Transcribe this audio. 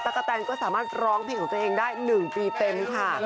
ตั๊กกะแตนก็สามารถร้องเพลงของตั๊กกะแตนได้๑ปีเต็มค่ะ